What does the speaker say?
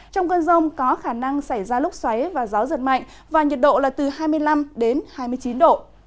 trong cơn rông có khả năng xảy ra lúc xoáy và gió giật mạnh và nhiệt độ là từ hai mươi năm đến hai mươi chín độ